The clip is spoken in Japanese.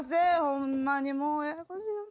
ホンマにもうややこしいわ。